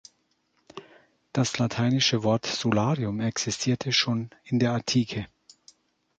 Das lateinische Wort "solarium" existierte schon in der Antike.